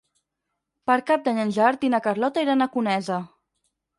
Per Cap d'Any en Gerard i na Carlota iran a Conesa.